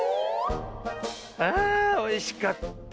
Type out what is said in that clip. あおいしかった。